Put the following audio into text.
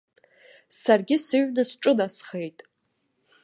Саргьы сыҩны сҿынасхеит.